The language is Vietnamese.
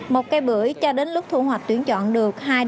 một cây bưởi cho đến lúc thu hoạch tuyển chọn được